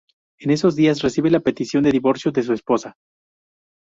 En esos días, recibe la petición de divorcio de su esposa.